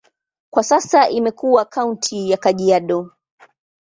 Kwa sasa imekuwa kaunti ya Kajiado.